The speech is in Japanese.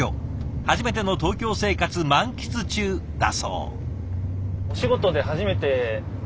初めての東京生活満喫中だそう。